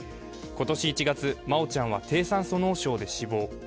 今年１月、真愛ちゃんは低酸素脳症で死亡。